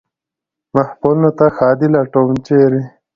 محفلونو ته ښادي لټوم ، چېرې ؟